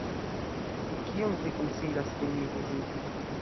Kion vi konsilas, ke mi vizitu?